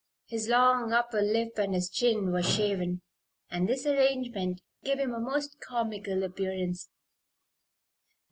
His long upper lip and his chin were shaven, and this arrangement gave him a most comical appearance.